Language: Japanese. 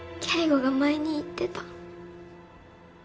圭吾が前に言ってた。